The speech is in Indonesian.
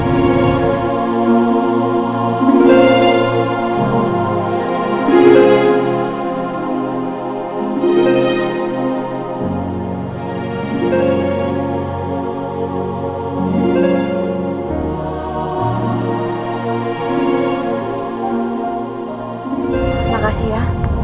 terima kasih ya